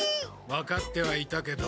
分かってはいたけど。